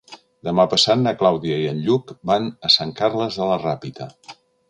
Demà passat na Clàudia i en Lluc van a Sant Carles de la Ràpita.